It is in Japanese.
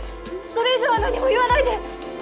それ以上は何も言わないで。